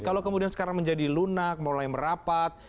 kalau kemudian sekarang menjadi lunak mulai merapat